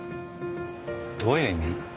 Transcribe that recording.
どういう意味？